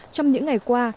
trong những ngày qua